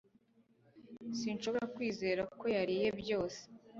Sinshobora kwizera ko yariye byose